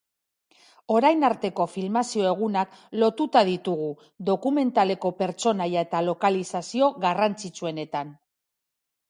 Orain arteko filmazio egunak lotuta ditugu, dokumentaleko pertsonaia eta lokalizazio garrantzitsuenetan.